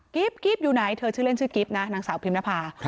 กิ๊บอยู่ไหนเธอชื่อเล่นชื่อกิ๊บนะนางสาวพิมนภา